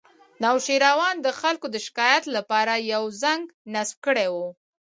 نوشیروان د خلکو د شکایت لپاره یو زنګ نصب کړی و